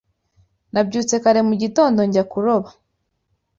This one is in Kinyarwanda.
Nabyutse kare muri iki gitondo njya kuroba.